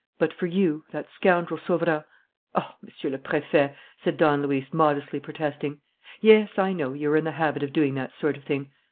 But for you, that scoundrel Sauverand " "Oh, Monsieur le Préfet!" said Don Luis, modestly protesting. "Yes, I know, you are in the habit of doing that sort of thing.